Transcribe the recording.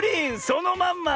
そのまんま！